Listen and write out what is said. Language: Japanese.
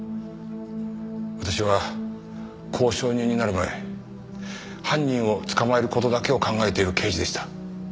私は交渉人になる前犯人を捕まえる事だけを考えている刑事でした。